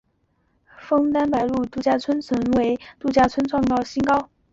枫丹白露度假村曾为度假村创造营收新高。